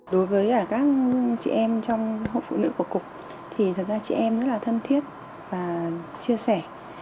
đối với các chị em trong hội phụ nữ của cục thì thật ra chị em rất là thân thiết và chia sẻ